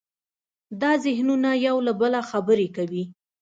دا ذهنونه یو له بله خبرې کوي.